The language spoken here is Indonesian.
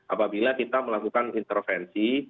apabila kita melakukan intervensi